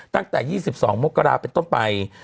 ตั้งแต่๒๒มกราเป็นต้นไป